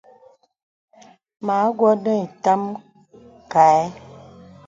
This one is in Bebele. Mə awɔ̄ nə ìtam kaɛ̂.